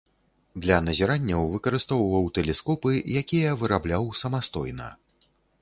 Для назіранняў выкарыстоўваў тэлескопы, якія вырабляў самастойна.